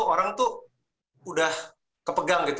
orang itu sudah kepegang